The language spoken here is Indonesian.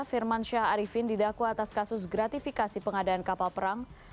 firman syah arifin didakwa atas kasus gratifikasi pengadaan kapal perang